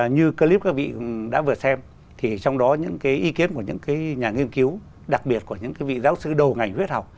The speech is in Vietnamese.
như clip các vị đã vừa xem thì trong đó những cái ý kiến của những nhà nghiên cứu đặc biệt của những cái vị giáo sư đầu ngành huyết học